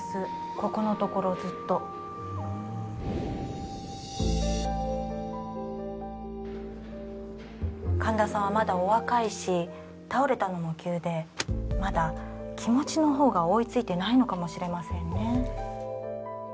ここのところずっと神田さんはまだお若いし倒れたのも急でまだ気持ちのほうが追いついてないのかもしれませんね